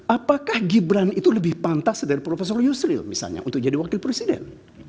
apakah gibran itu lebih pantas dari profesor yusril misalnya untuk jadi wakil presiden